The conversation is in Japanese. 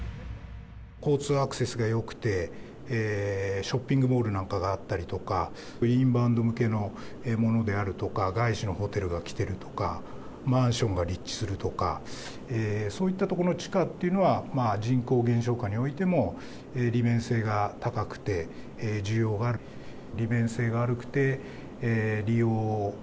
交通アクセスがよくて、ショッピングモールなんかがあったりとか、インバウンド向けのものであるとか、外資のホテルが来てるとか、マンションが立地するとか、そういったところの地価っていうのは、実はリフォームって快適なだけでなく省エネにもなるんです。